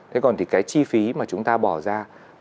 thế còn thì cái chi phí mà chúng ta bỏ ra